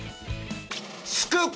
スクープ！